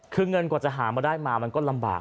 คือเงินกว่าจะหามาได้มามันก็ลำบาก